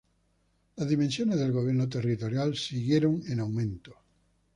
Las dimensiones del gobierno territorial siguieron en aumento.